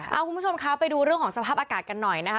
เอาคุณผู้ชมคะไปดูเรื่องของสภาพอากาศกันหน่อยนะคะ